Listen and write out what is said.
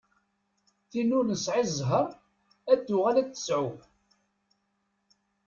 Tin ur nesɛi zzher ad tuɣal ad tesɛu.